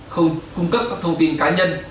không cung cấp các thông tin cá nhân